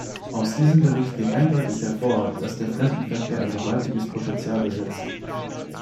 Aus diesem Bericht geht eindeutig hervor, dass der Fremdenverkehr ein gewaltiges Potential besitzt.